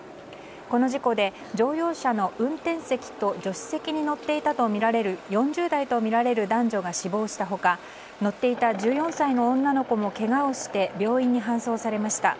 この事故で乗用車の運転席と助手席に乗っていたとみられる４０代とみられる男女が死亡した他乗っていた１４歳の女の子もけがをして病院に搬送されました。